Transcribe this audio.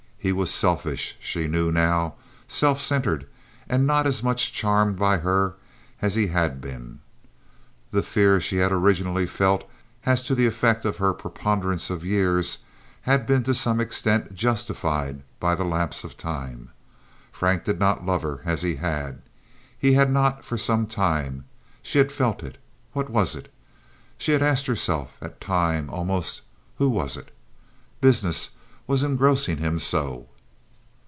He was selfish, she knew now, self centered, and not as much charmed by her as he had been. The fear she had originally felt as to the effect of her preponderance of years had been to some extent justified by the lapse of time. Frank did not love her as he had—he had not for some time; she had felt it. What was it?—she had asked herself at times—almost, who was it? Business was engrossing him so.